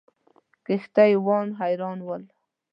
کښتۍ وانان حیران ول.